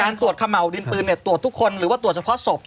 การตรวจขะเหมาดินปืนเนี่ยตรวจทุกคนหรือว่าตรวจเฉพาะศพ